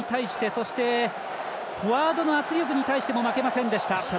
そしてフォワードの圧力に対しても負けませんでした。